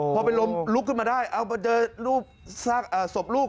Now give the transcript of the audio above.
พอเป็นลมลุกขึ้นมาได้เอามาเจอรูปศพลูก